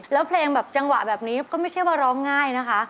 แล้วเพลงแบบจังหวะแบบนี้ก็ไม่ใช่ว่าร้องง่ายนะคะ